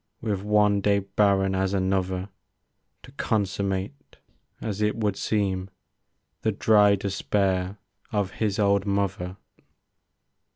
With one day barren as another; To consummate, as it would seem. The dry despair of his old mother.